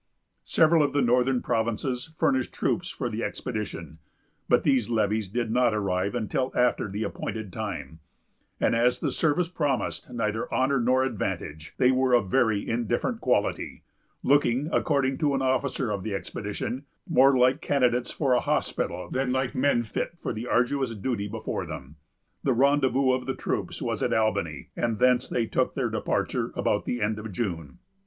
Several of the northern provinces furnished troops for the expedition; but these levies did not arrive until after the appointed time; and, as the service promised neither honor nor advantage, they were of very indifferent quality, looking, according to an officer of the expedition, more like candidates for a hospital than like men fit for the arduous duty before them. The rendezvous of the troops was at Albany, and thence they took their departure about the end of June.